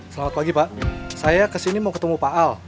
selamat pagi pak saya kesini mau ketemu pak al